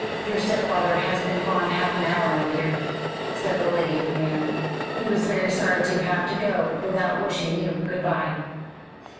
"Your stepfather has been gone half an hour, my dear," said the lady of the manor. "He was very sorry to have to go without wishing you good bye."